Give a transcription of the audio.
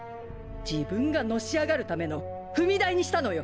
自分がのし上がるための踏み台にしたのよ！